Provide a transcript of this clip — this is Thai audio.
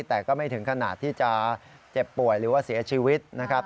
แต่ก็ไม่ถึงขนาดที่จะเจ็บป่วยหรือว่าเสียชีวิตนะครับ